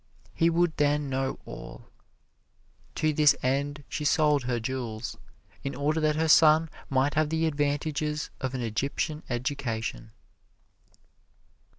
He would then know all. To this end she sold her jewels, in order that her son might have the advantages of an Egyptian education.